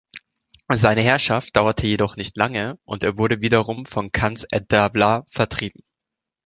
Seine Herrschaft dauerte jedoch nicht lange und er wurde wiederum von Kanz ed-Dawla vertrieben.